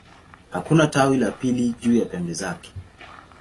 Hakuna tawi la pili juu ya pembe zake.